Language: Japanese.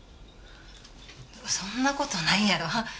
そんな事ないやろ。